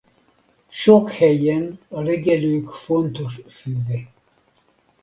Sok helyen a legelők fontos füve.